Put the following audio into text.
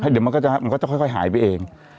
เดี๋ยวมันก็จะค่อยหายไปเอง